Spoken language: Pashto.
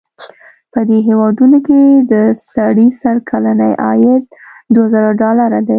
په دې هېوادونو کې د سړي سر کلنی عاید دوه زره ډالره دی.